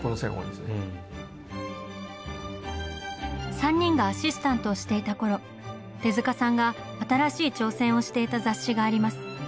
３人がアシスタントをしていた頃手さんが新しい挑戦をしていた雑誌があります。